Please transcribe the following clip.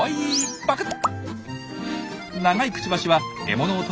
パクッ！